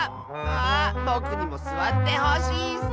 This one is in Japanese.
ああぼくにもすわってほしいッス。